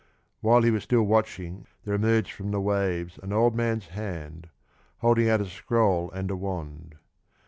While he was still watching there emerged from the waves an old man's hand, holding out a scroll and a wand.